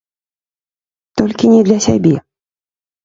Толькі не для сябе.